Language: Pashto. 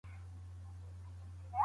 شاګرد د لوړ ږغ سره پاڼه ړنګه نه کړه.